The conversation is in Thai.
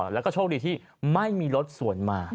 แล้วก็โชคดีที่ไม่มีรถสวนมา